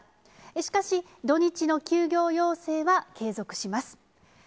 しかし、土日の休業要請は継続します。